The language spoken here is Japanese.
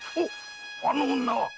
あの女は！